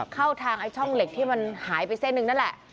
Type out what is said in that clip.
เข้าทางไอ้ช่องเหล็กที่มันหายไปเส้นหนึ่งนั่นแหละ